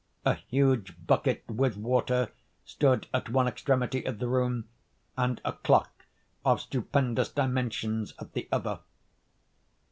A huge bucket with water stood at one extremity of the room, and a clock of stupendous dimensions at the other.